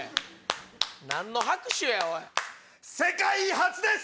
何の拍手や⁉世界初です！